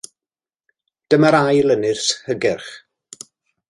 Dyma'r ail ynys hygyrch.